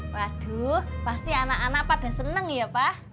waduh pasti anak anak pada seneng ya pak